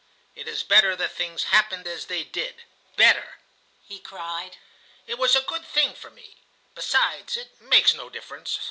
It is better that things happened as they did, better!" he cried. "It was a good thing for me. Besides, it makes no difference.